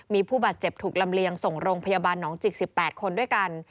มีผู้บาดเจ็บถูกลำเลียงส่งโรงพยาบาลหนองจิก๑๘คนด้วยกัน